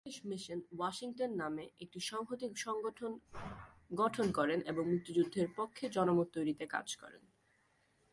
তারা ‘Bangladesh mission Washington’ নামে একটি সংহতি সংগঠন গঠন করেন এবং মুক্তিযুদ্ধের পক্ষে জনমত তৈরিতে কাজ করেন।